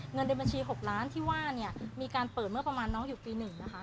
เงินในบัญชี๖ล้านที่ว่าเนี่ยมีการเปิดเมื่อประมาณน้องอยู่ปี๑นะคะ